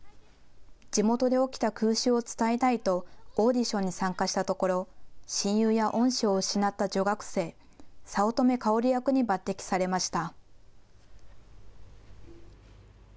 地元で起きた空襲を伝えたいとオーディションに参加したところ親友や恩師を失った女学生、早乙女薫役に抜てきされました。